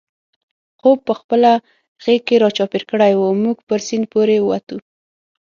خوپ په خپله غېږ کې را چاپېر کړی و، موږ پر سیند پورې وتو.